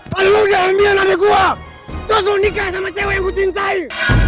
kalau lo udah rambi anak gue terus lo nikah sama cewe yang gue cintai